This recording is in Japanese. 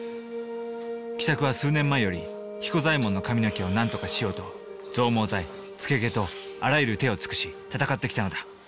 喜作は数年前より彦左衛門の髪の毛をなんとかしようと増毛剤付け毛とあらゆる手を尽くし闘ってきたのだ。